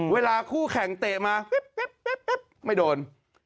คู่แข่งเตะมาไม่โดน